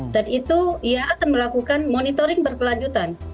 dan itu iaea akan melakukan monitoring berkelanjutan